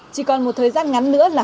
chỉ còn một thời gian ngắn nữa là học sinh